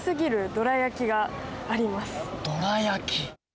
どら焼き。